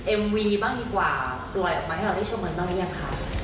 เอ็มวีบ้างดีกว่าตัวออกมาให้เราได้ชมมือนกันหรือยังครับ